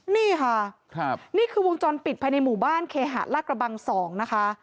นี่ค่ะนี่คือวงจรปิดภายในหมู่บ้านเคหะลากระบัง๒นะคะ